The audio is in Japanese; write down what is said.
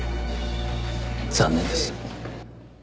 残念です。